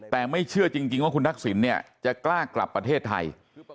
แต่ไม่เชื่อจริงว่าคุณทักษิณเนี่ยจะกล้ากลับประเทศไทย